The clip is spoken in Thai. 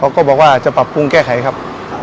ก็บอกว่าจะปรับปรุงแก้ไขครับ